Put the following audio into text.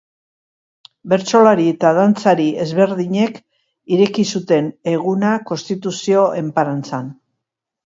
Bertsolari eta dantzari ezberdinek ireki zuten eguna konstituzio enparantzan.